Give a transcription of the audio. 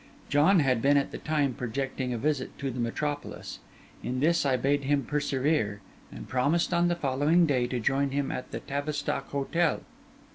John had been at that time projecting a visit to the metropolis. In this I bade him persevere, and promised on the following day to join him at the Tavistock Hotel.